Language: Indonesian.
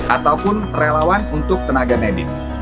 ataupun relawan untuk tenaga medis